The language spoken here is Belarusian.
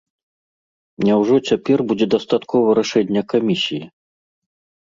Няўжо цяпер будзе дастаткова рашэння камісіі?